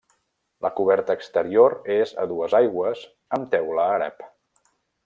La coberta exterior és a dues aigües amb teula àrab.